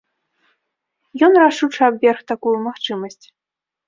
Ён рашуча абверг такую магчымасць.